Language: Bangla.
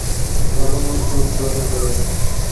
লাবণ্যর চোখ জলে ভরে এল।